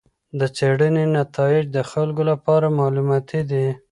د څېړنې نتایج د خلکو لپاره معلوماتي دي.